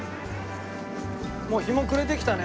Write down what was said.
もう日も暮れてきたね。